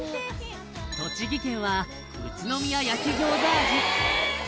栃木県は宇都宮焼餃子味